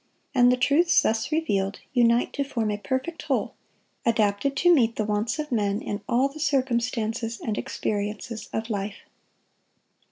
And the truths thus revealed unite to form a perfect whole, adapted to meet the wants of men in all the circumstances and experiences of life.